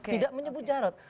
tidak menyebut jarod